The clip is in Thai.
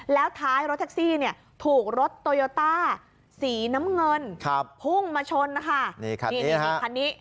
รถแท็กซี่เนี่ยถูกรถโตโยต้าสีน้ำเงินครับพุ่งมาชนนะคะนี่คันนี้คันนี้